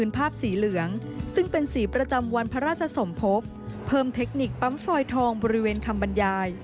เพิ่มเทคนิคปั๊มฟอยทองบริเวณคำบรรยาย